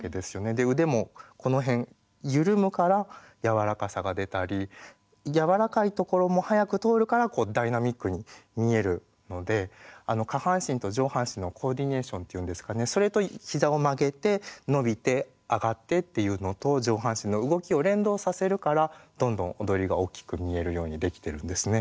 で腕もこの辺緩むからやわらかさが出たりやわらかいところも速く通るからこうダイナミックに見えるので下半身と上半身のコーディネーションというんですかねそれと膝を曲げて伸びて上がってっていうのと上半身の動きを連動させるからどんどん踊りが大きく見えるようにできてるんですね。